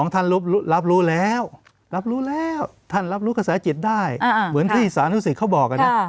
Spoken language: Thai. ๒ท่านรับรู้แล้วท่านรับรู้กระแสจิตได้เหมือนที่สานุสิตเขาบอก